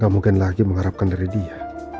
gak mungkin lagi mengharapkan dari dia